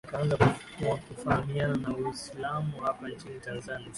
Wakaanza kufaamiana na Uislamu hapa nchini Tanzani